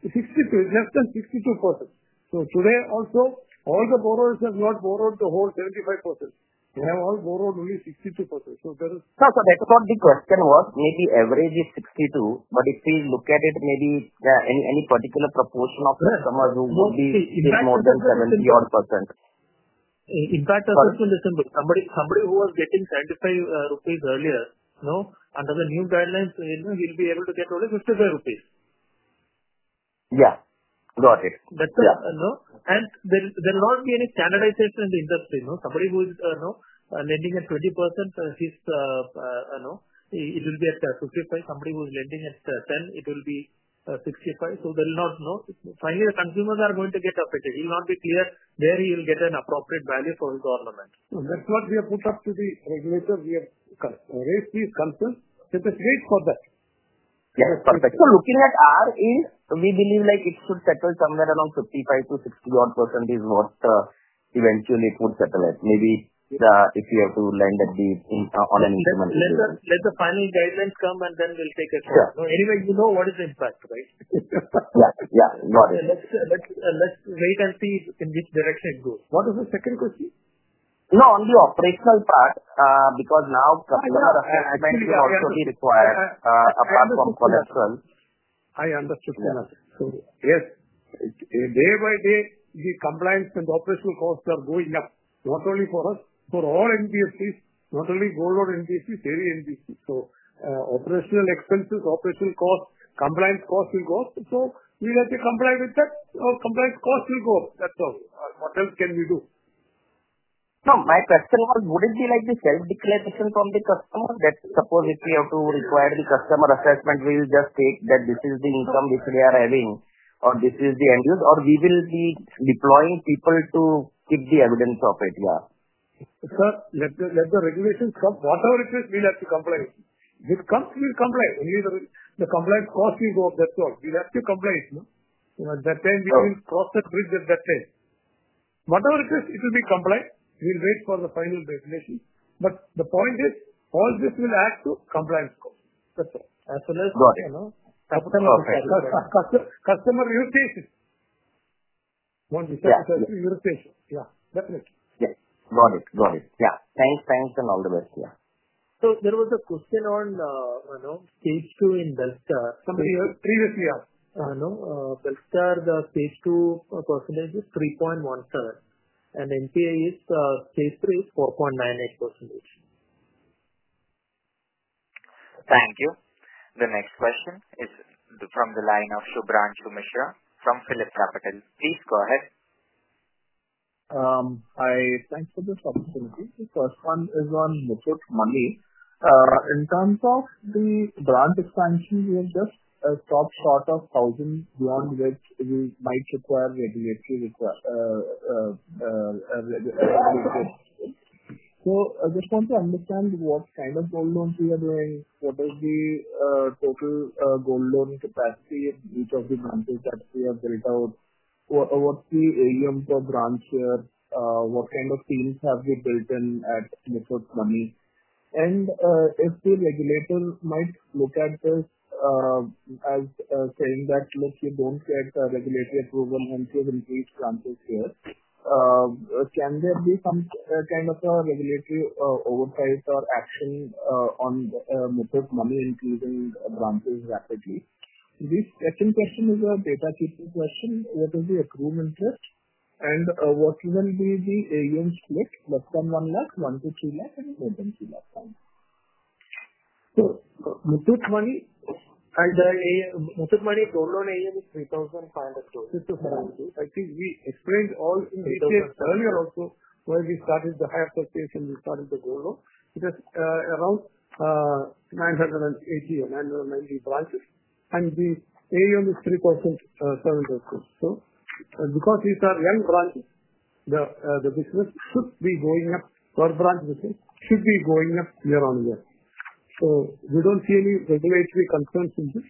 62%, less than 62%. Today also, all the borrowers have not borrowed the whole 75%. They have all borrowed only 62%. There is. Sir, that's what the question was. Maybe average is 62, but if we look at it, maybe any particular proportion of customers who would be more than 70-odd percent. Impact assessment is simple. Somebody who was getting 75 rupees earlier, under the new guidelines, he'll be able to get only 55 rupees. Yeah. Got it. There will not be any standardization in the industry. Somebody who is lending at 20%, it will be at 55. Somebody who is lending at 10, it will be 65. There will not finally, the consumers are going to get affected. He'll not be clear where he'll get an appropriate value for his ornament. That's what we have put up to the regulator. We have raised these concerns. Let us wait for that. Yeah. So looking at R, we believe it should settle somewhere around 55%-60%-odd percent is what eventually it would settle at, maybe if you have to lend at the on an incremental basis. Let the final guidelines come, and then we'll take a shot. Anyway, you know what is the impact, right? Yeah. Got it. Let's wait and see in which direction it goes. What was the second question? No, on the operational part, because now customer assessment will also be required apart from collection. I understood. Yes. Day by day, the compliance and operational costs are going up, not only for us, for all NBFCs, not only gold loan NBFCs, every NBFC. Operational expenses, operational costs, compliance costs will go up. We have to comply with that. Compliance costs will go up. That's all. What else can we do? My question was, would it be like the self-declaration from the customer that suppose if we have to require the customer assessment, we will just take that this is the income which we are having, or this is the end use, or we will be deploying people to keep the evidence of it? Let the regulations come. Whatever it is, we'll have to comply with. If it comes, we'll comply. The compliance cost will go. That's all. We'll have to comply with. At that time, we will cross that bridge at that time. Whatever it is, it will be complied. We'll wait for the final regulation. The point is, all this will add to compliance costs. That's all. As well as capital appreciation. Customer irritation. No, you said irritation. Yeah. Definitely. Yes. Got it. Got it. Yeah. Thanks. Thanks, and all the best. Yeah. There was a question on stage two in Belstar.Previously, Belstar, the stage two percentage is 3.17%, and NPA stage three is 4.98%. Thank you. The next question is from the line of Shubhranshu Mishra from PhilipCapital. Please go ahead. I thank for this opportunity. The first one is on Muthoot Money. In terms of the branch expansion, we have just stopped short of 1,000, beyond which we might require regulatory requirements. I just want to understand what kind of gold loans we are doing, what is the total gold loan capacity of each of the branches that we have built out, what is the AUM per branch here, what kind of teams have we built in at Muthoot Money. If the regulator might look at this as saying that, "Look, you do not get regulatory approval until we increase branches here," can there be some kind of a regulatory oversight or action on Muthoot Money increasing branches rapidly? The second question is a data keeping question. What is the accrued interest, and what will be the AUM split? Less than 100,000, 100,000-300,000, and more than 300,000? Network Money and Network Money gold loan AUM is 3,500 crore. I think we explained all in detail earlier also. When we started the higher association, we started the gold loan. It is around 980 or 990 branches, and the AUM is 3,700 crore. Because these are young branches, the business should be going up. Per branch business should be going up year on year. We do not see any regulatory concerns in this.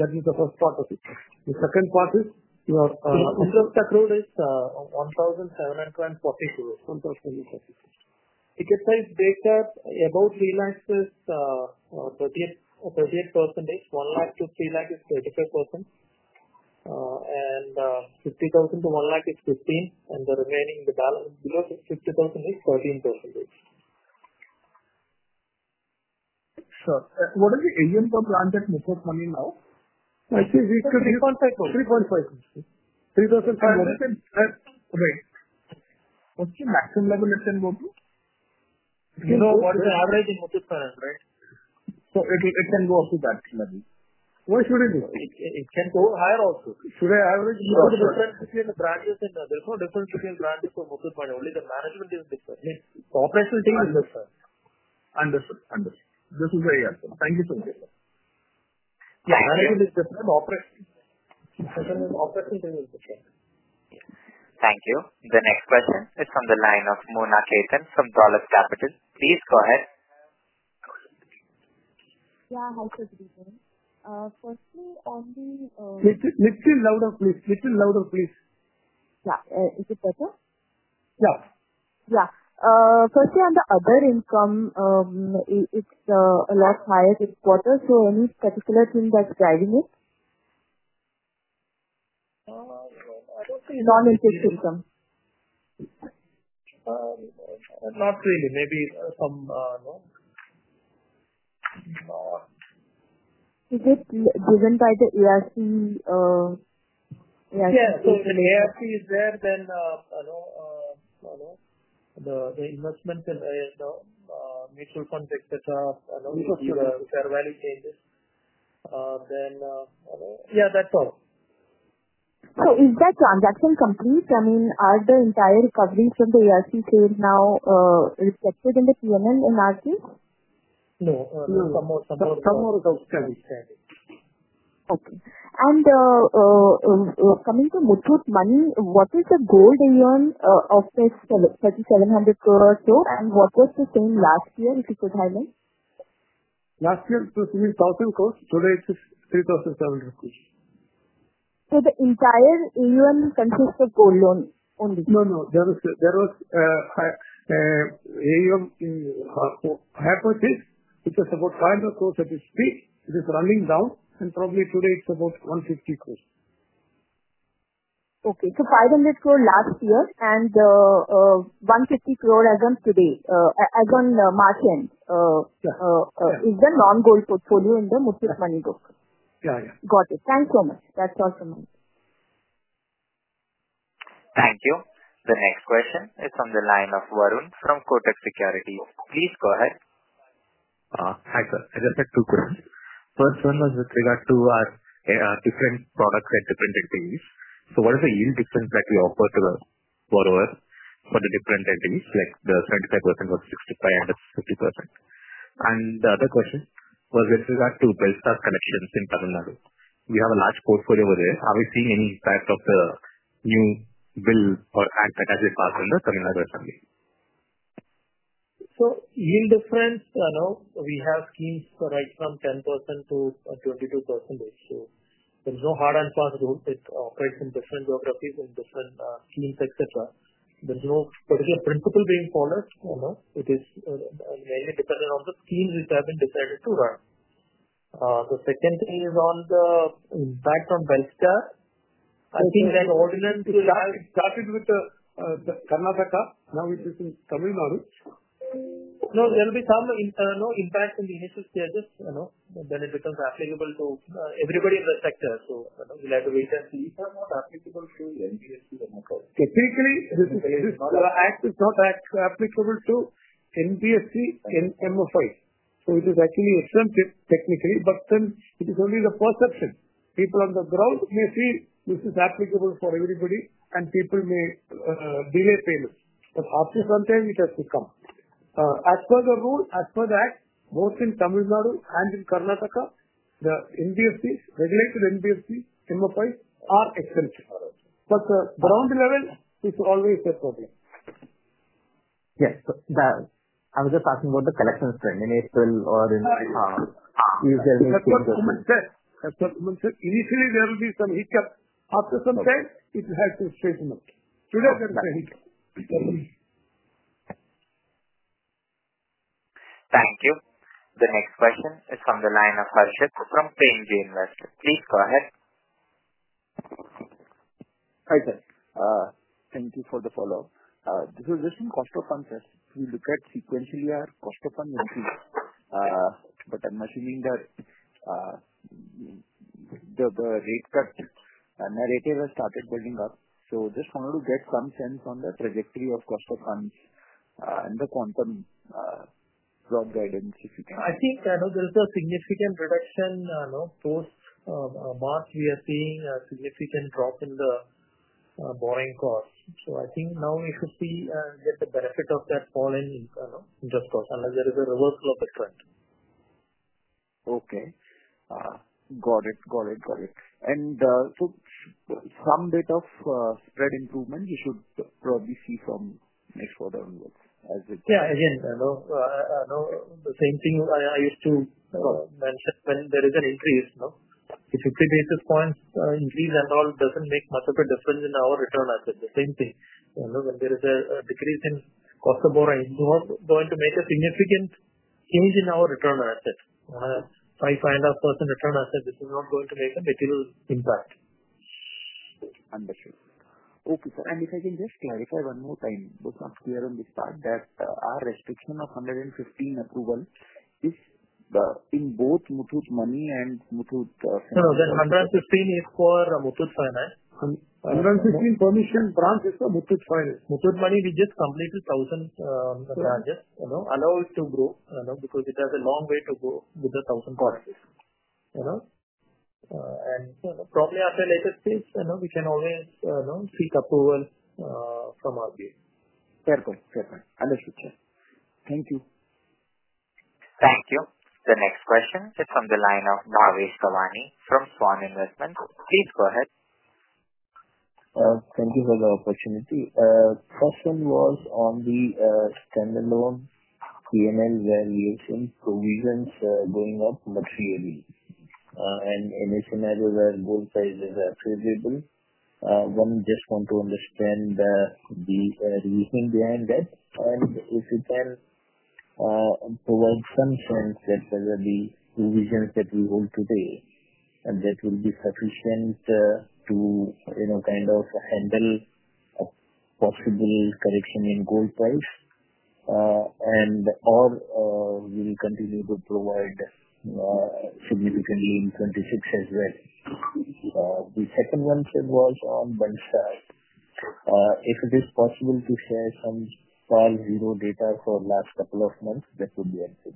That is the first part of it. The second part is your. Interest accrued is INR 1,740 crore. Ticket size data about realized is 38%. 1 lakh-3 lakh is 25%, and 50,000-1 lakh is 15%, and the remaining below 50,000 is 13%. Sir, what is the AUM per branch at Muthoot Money now? 3.5 crores. INR 3,500 million. Wait. What's the maximum level it can go to? No, what is the average in Oommen Mammen, right? It can go up to that level. Why should it go? It can go higher also. Should I average? There's no difference between the branches and there's no difference between branches of Muthoot Money. Only the management is different. I mean, the operational team is different. Understood. This is very helpful. Thank you so much. Yeah. Management is different, operational team is different. Thank you. The next question is from the line of Mona Khetan from Dolat Capital. Please go ahead. Yeah. Hi, Sujati. Firstly, on the. Little louder, please. Little louder, please. Yeah. Is it better? Yeah. Yeah. Firstly, on the other income, it's a lot higher this quarter. Any particular thing that's driving it? I don't think. Non-interest income? Not really. Maybe some. Is it driven by the ARC? Yeah. So when ARC is there, then the investments and mutual funds, etc., which are value changes, then yeah, that's all. Is that transaction complete? I mean, are the entire recoveries from the ARC trade now reflected in the P&L in our case? No. Somewhere else. Okay. And coming to Oommen Mammen, what is the gold AUM of this 3,700 crore or so, and what was the same last year, if you could highlight? Last year, it was 1,000 crore. Today, it is 3,700 crore. The entire AUM consists of gold loan only? No, no. There was hire purchase, which is about 500 crore at its peak. It is running down, and probably today it is about 150 crore. Okay. So 500 crore last year and 150 crore as of today, as of March end. Is there non-gold portfolio in the Muthoot Mammen group? Yeah. Got it. Thanks so much. That's all from me. Thank you. The next question is from the line of Varun from Kotak Securities. Please go ahead. Hi, sir. I just had two questions. First one was with regard to our different products at different NBFCs. So what is the yield difference that we offer to the borrower for the different NBFCs, like the 25% or 65% and the 50%? The other question was with regard to Belstar collections in Tamil Nadu. We have a large portfolio over there. Are we seeing any impact of the new bill or act that has been passed in the Tamil Nadu assembly? Yield difference, we have schemes right from 10%-`22%. There is no hard and fast rule. It operates in different geographies, in different schemes, etc. There is no particular principle being followed. It is mainly dependent on the schemes which have been decided to run. The second thing is on the impact on Belstar. I think that ordinance. Started with Karnataka, now it is in Tamil Nadu. No, there will be some impact in the initial stages. Then it becomes applicable to everybody in the sector. We will have to wait and see. Is it not applicable to NBFC or MFI? Technically, the act is not applicable to NBFC and MFI. It is actually expensive technically, but then it is only the perception. People on the ground may see this is applicable for everybody, and people may delay payments. After some time, it has to come. As per the rule, as per the act, both in Tamil Nadu and in Karnataka, the NBFCs, regulated NBFCs, MFIs are exempted. The ground level is always a problem. Yes. I was just asking about the collections trend in April or in. That's what Kuman said. Initially, there will be some hiccup. After some time, it has to straighten up. Today, there is a hiccup. Thank you. The next question is from the line of Harshith from PNG Invest. Please go ahead. Hi, sir. Thank you for the follow-up. This is just on cost of funds. We look at sequentially our cost of funds increase, but I'm assuming that the rate cut narrative has started building up. Just wanted to get some sense on the trajectory of cost of funds and the quantum drop guidance, if you can. I think there is a significant reduction post-March. We are seeing a significant drop in the borrowing costs. I think now we should see and get the benefit of that fall in interest costs unless there is a reversal of the trend. Okay. Got it. Got it. And some bit of spread improvement, you should probably see some next quarter onwards as it. Yeah. Again, the same thing I used to mention when there is an increase. If we put basis points increase and all, it does not make much of a difference in our return asset. The same thing. When there is a decrease in cost of borrowing, it is not going to make a significant change in our return asset. On a 5,500% return asset, this is not going to make a material impact. Understood. Okay, sir. If I can just clarify one more time, it was not clear on this part that our restriction of 115 approval is in both Muthoot Mammen and Muthoot Finance. No, then 115 is for Muthoot Finance. 115 permission branch is for Muthoot Finance. Muthoot Money, we just completed 1,000 branches. Allow it to grow because it has a long way to go with the 1,000 branches. Probably at a later stage, we can always seek approval from RBI. Fair point. Fair point. Understood, sir. Thank you. Thank you. The next question is from the line of Navesh Davani from Swann Investments. Please go ahead. Thank you for the opportunity. The question was on the standalone P&L where we have seen provisions going up materially. In a scenario where both sides are favorable, one just wants to understand the reasoning behind that. If you can provide some sense that whether the provisions that we hold today, that will be sufficient to kind of handle a possible correction in gold price, and/or will continue to provide significantly in 2026 as well. The second one was on Belstar. If it is possible to share some PAR zero data for the last couple of months, that would be helpful.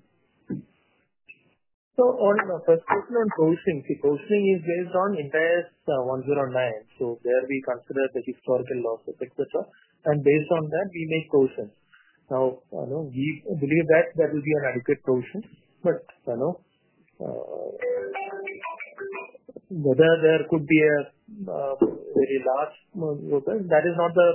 Firstly, on provisions. The provisioning is based on entire 109. There we consider the historical losses, etc. and based on that, we make provisions. Now, we believe that that will be an adequate provision. Whether there could be a very large movement, that is not the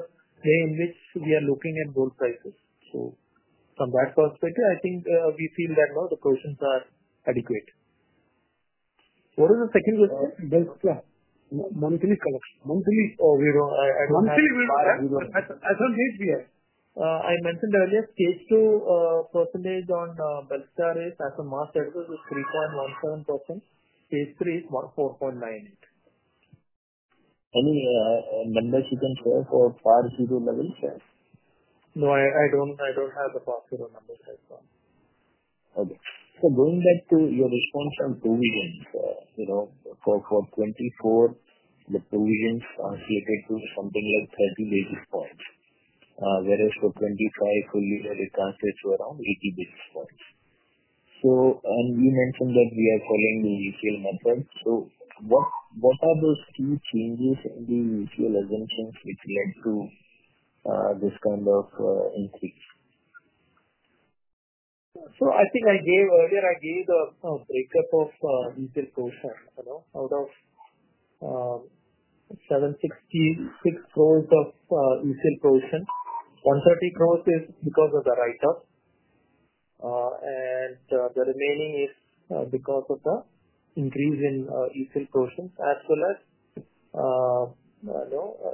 way in which we are looking at gold prices. From that perspective, I think we feel that now the provisions are adequate. What is the second question? Belstar. Monthly collection. Monthly or withdrawn? Monthly withdrawn. I mentioned earlier, stage two percentage on Belstar is as of March 31, is 3.17%. Stage three is 4.98%. Any numbers you can share for PAR zero level share? No, I don't have the PAR zero numbers right now. Okay. So going back to your response on provisions, for 2024, the provisions translated to something like 30 basis points, whereas for 2025, it translated to around 80 basis points. You mentioned that we are following the UCL method. What are those key changes in the UCL assumptions which led to this kind of increase? I think I gave earlier, I gave a breakup of ECL provision. Out of 766 crore of ECL provision, 130 crore is because of the write-up, and the remaining is because of the increase in ECL provisions as well as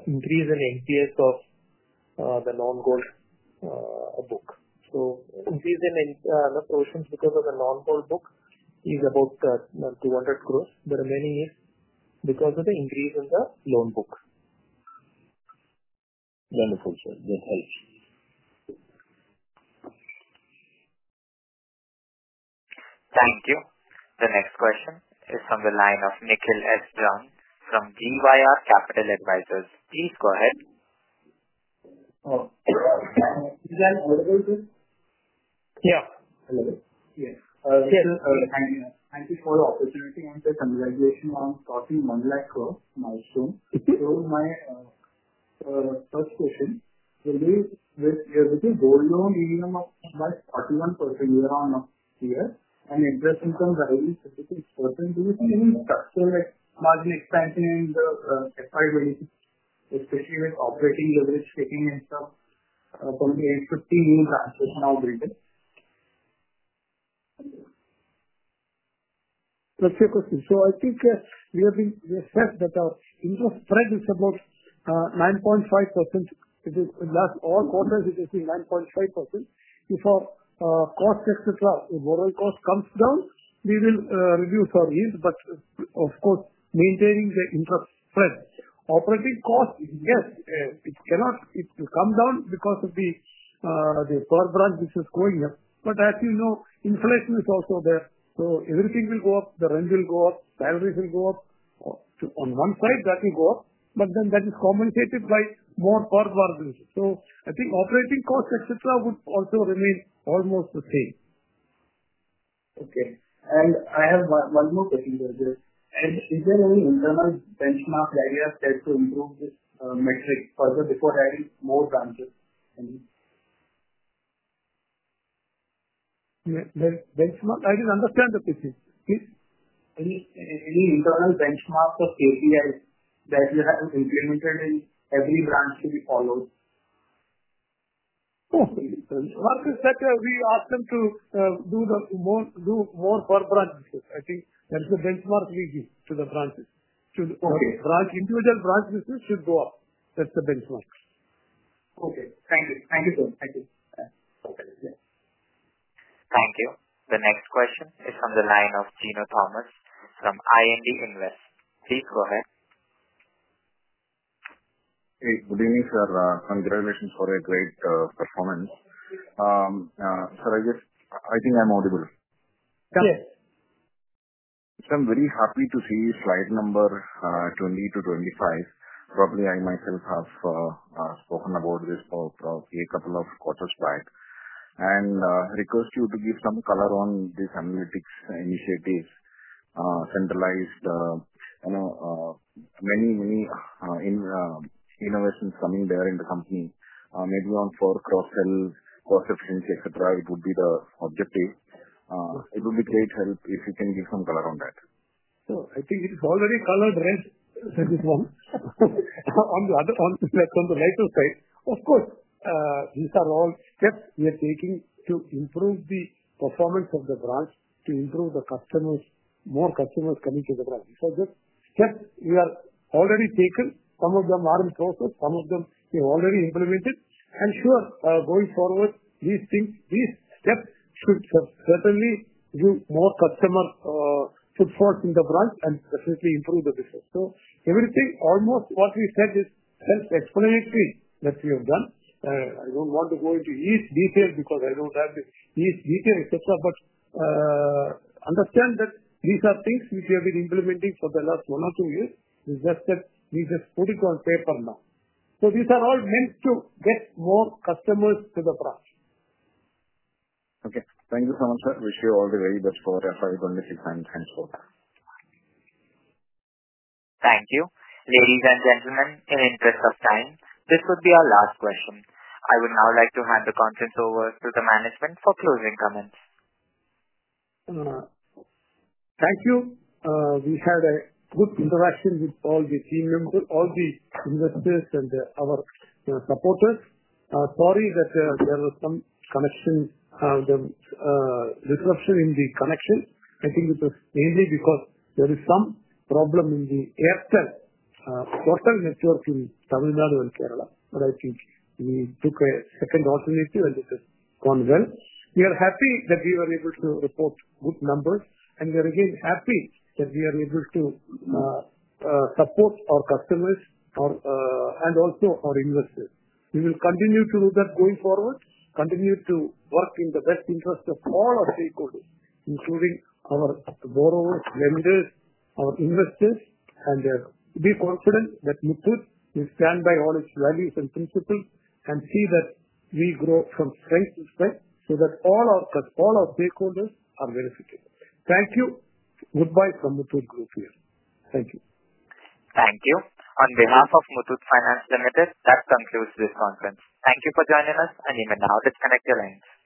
increase in NPAs of the non-gold book. Increase in provisions because of the non-gold book is about 200 crore. The remaining is because of the increase in the loan book. Wonderful, sir. That helps. Thank you. The next question is from the line of Nikhil S. John from GYR Capital Advisors. Please go ahead. Is that audible too? Yeah. Hello. Yes. Thank you for the opportunity and the congratulations on crossing 1 lakh crore milestone. So my first question, with the gold loan AUM of 41% year-on-year, and interest income rising to 56%, do you see any structural margin expansion in the FI releases, especially with operating leverage taking in from the age 50 new branches now built? That's your question. I think we have said that our interest spread is about 9.5%. It is last all quarters, it has been 9.5%. If our cost, etc., overall cost comes down, we will reduce our yield, but of course, maintaining the interest spread. Operating cost, yes, it cannot come down because of the per branch which is going up. As you know, inflation is also there. Everything will go up. The rent will go up. Salaries will go up. On one side, that will go up, but then that is compensated by more per branch. I think operating cost, etc., would also remain almost the same. Okay. I have one more question for you. Is there any internal benchmark that you have set to improve this metric further before adding more branches? Benchmark? I didn't understand the question. Please. Any internal benchmark or KPIs that you have implemented in every branch to be followed? Mark is that we ask them to do more per branch business. I think that's the benchmark we give to the branches. Individual branch business should go up. That's the benchmark. Okay. Thank you. Thank you, sir. Thank you. Thank you. The next question is from the line of Gino Thomas from IND Invest. Please go ahead. Hey, good evening, sir. Congratulations for a great performance. Sir, I think I'm audible. Yes. I'm very happy to see slide number 20-25. Probably I myself have spoken about this probably a couple of quarters back. I request you to give some color on these analytics initiatives, centralized, many, many innovations coming there in the company. Maybe for cross-sell, cost efficiency, etc., it would be the objective. It would be a great help if you can give some color on that. I think it's already colored red, Sanjith, on the right-hand side. Of course, these are all steps we are taking to improve the performance of the branch, to improve the customers, more customers coming to the branch. These are just steps we have already taken. Some of them are in process. Some of them we have already implemented. Sure, going forward, these steps should certainly give more customer footfalls in the branch and definitely improve the business. Everything, almost what we said, is self-explanatory that we have done. I don't want to go into each detail because I don't have each detail, etc., but understand that these are things which we have been implementing for the last one or two years. It's just that we just put it on paper now. These are all meant to get more customers to the branch. Okay. Thank you so much, sir. Wish you all the very best for FY 2026. Thanks for that. Thank you. Ladies and gentlemen, in the interest of time, this would be our last question. I would now like to hand the conference over to the management for closing comments. Thank you. We had a good interaction with all the team members, all the investors, and our supporters. Sorry that there was some disruption in the connection. I think it was mainly because there is some problem in the Airtel portal network in Tamil Nadu and Kerala. I think we took a second alternative, and it has gone well. We are happy that we were able to report good numbers, and we are again happy that we are able to support our customers and also our investors. We will continue to do that going forward, continue to work in the best interest of all our stakeholders, including our borrowers, lenders, our investors, and be confident that Muthoot will stand by all its values and principles and see that we grow from strength to strength so that all our stakeholders are benefited. Thank you. Goodbye from Muthoot Group here. Thank you. Thank you. On behalf of Muthoot Finance, that concludes this conference. Thank you for joining us, and you may now disconnect your lines. Thank you.